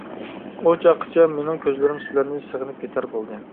ئۇ چاققىچە مېنىڭ كۆزلىرىم سىلەرنى سېغىنىپ كېتەر بولدى.